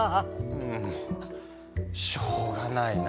うんしょうがないな。